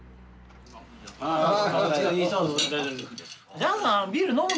ジャンさん